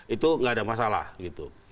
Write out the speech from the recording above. itu nggak ada masalah gitu